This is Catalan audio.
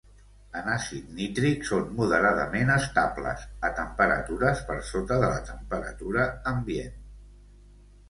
En àcid nítric són moderadament estables a temperatures per sota de la temperatura ambient.